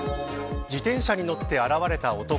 自転車に乗って現れた男。